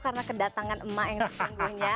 karena kedatangan emma yang terkengunya